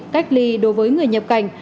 cách ly đối với người nhập cảnh